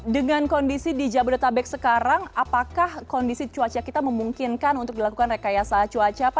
dengan kondisi di jabodetabek sekarang apakah kondisi cuaca kita memungkinkan untuk dilakukan rekayasa cuaca pak